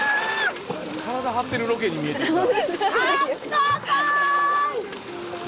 体張ってるロケに見えてきた。